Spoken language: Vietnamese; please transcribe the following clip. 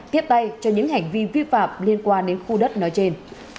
tiếp tay cho những hành vi vi phạm liên quan đến khu đất nói trên